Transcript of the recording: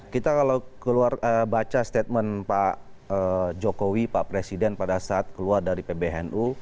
kita kalau keluar baca statement pak jokowi pak presiden pada saat keluar dari pbnu